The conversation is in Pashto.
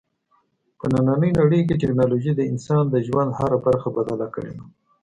په نننۍ نړۍ کې ټیکنالوژي د انسان د ژوند هره برخه بدله کړې ده.